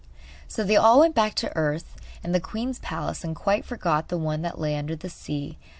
So they all went back to earth and the queen's palace, and quite forgot the one that lay under the sea.